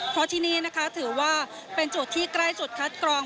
เพราะที่นี่นะคะถือว่าเป็นจุดที่ใกล้จุดคัดกรอง